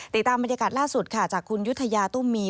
ติดตามบรรยากาศล่าสุดค่ะจากคุณยุธยาตุ้มมี